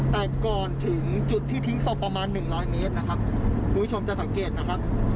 แต่ก่อนถึงจุดที่ทิ้งศพประมาณหนึ่งร้อยเมตรนะครับคุณผู้ชมจะสังเกตนะครับ